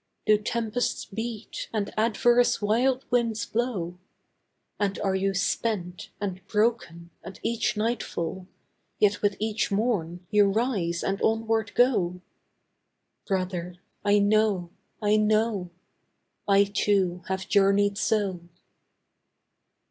Do tempests beat, and adverse wild winds blow? And are you spent, and broken, at each nightfall, Yet with each morn you rise and onward go? Brother, I know, I know! I, too, have journeyed so.